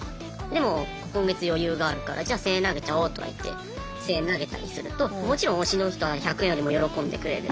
でも今月余裕があるからじゃ１，０００円投げちゃおとかいって１，０００円投げたりするともちろん推しの人は１００円よりも喜んでくれる。